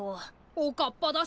おかっぱだし。